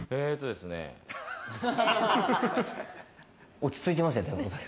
落ち着いてますね。